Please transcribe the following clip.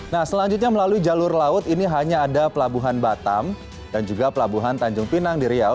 nah selanjutnya melalui jalur laut ini hanya ada pelabuhan batam dan juga pelabuhan tanjung pinang di riau